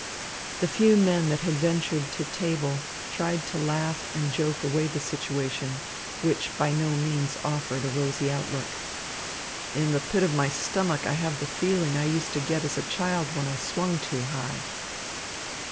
The few men that had ventured to table tried to laugh and joke away the situation, which by no means offered a rosy outlook. "In the pit of my stomach I have the feeling I used to get as a child when I swung too high."